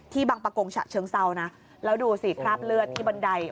ที่บางประกงชะเชิงเศร้านะแล้วดูสิครับเลือดที่บนใดโอ้โห